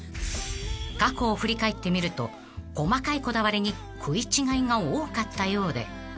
［過去を振り返ってみると細かいこだわりに食い違いが多かったようで］